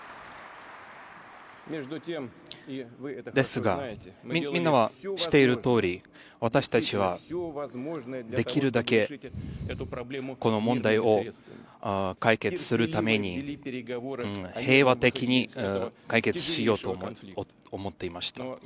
ですが、みんなは知っているとおり私たちはできるだけこの問題を解決するために平和的に解決しようと思っていました。